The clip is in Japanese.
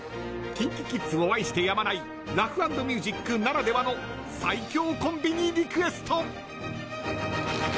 ＫｉｎＫｉＫｉｄｓを愛してやまないラフ＆ミュージックならではの最強コンビにリクエスト。